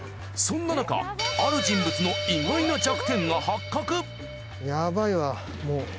そんななかある人物の意外な弱点が発覚。